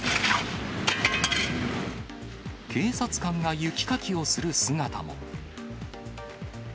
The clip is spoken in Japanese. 警察官が雪かきをする姿も。